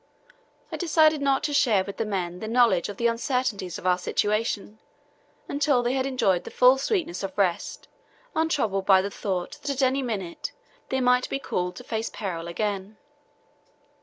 I decided not to share with the men the knowledge of the uncertainties of our situation until they had enjoyed the full sweetness of rest untroubled by the thought that at any minute they might be called to face peril again.